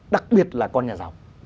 đặc biệt là con nhà giàu